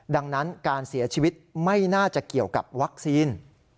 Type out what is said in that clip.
ดังนั้นการเสียชีวิตไม่น่าจะเกี่ยวกับวัคซีน